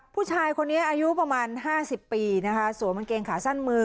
ผู้ชายคนนี้อายุประมาณ๕๐ปีนะคะสวมกางเกงขาสั้นมือ